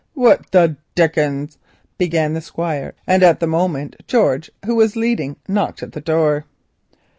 "What the dickens——" began the Squire, and at that moment George, who was leading, knocked at the door.